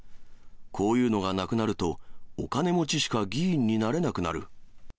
こういうのがなくなると、お金持ちしか議員になれなくなる。